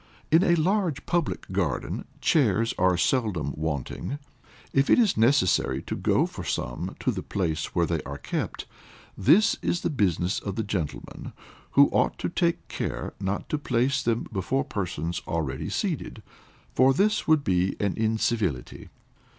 In a large public garden, chairs are seldom wanting; if it is necessary to go for some to the place where they are kept, this is the business of the gentlemen, who ought to take care not to place them before persons already seated, for this would be an incivility.